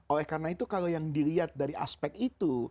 oleh karena itu kalau yang dilihat dari aspek itu